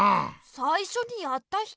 さいしょにやった人？